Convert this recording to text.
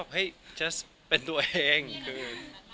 อย่างเงี้ย